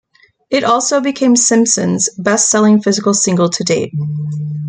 It also became Simpson's best-selling physical single to date.